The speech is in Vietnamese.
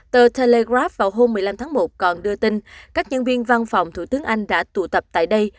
tờ telegrap vào hôm một mươi năm tháng một còn đưa tin các nhân viên văn phòng thủ tướng anh đã tụ tập tại đây